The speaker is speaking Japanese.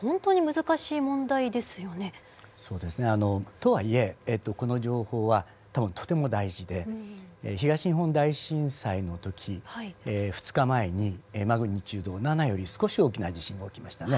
とはいえこの情報はとても大事で東日本大震災の時２日前にマグニチュード７より少し大きな地震が起きましたね。